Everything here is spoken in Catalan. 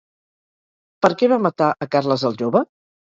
Per què va matar a Carles el Jove?